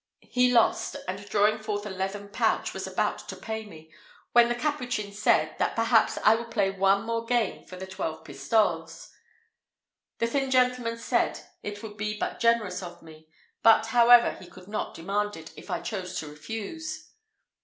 He lost, and drawing forth a leathern pouch, was about to pay me, when the Capuchin said, that perhaps I would play one more game for the twelve pistoles. The thin gentleman said it would be but generous of me, but, however, he could not demand it, if I chose to refuse.